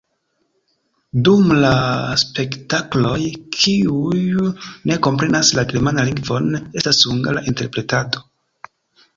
Dum la spektakloj kiuj ne komprenas la germanan lingvon, estas hungara interpretado.